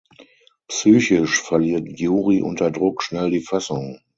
Psychisch verliert Juri unter Druck schnell die Fassung.